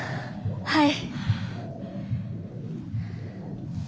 はい。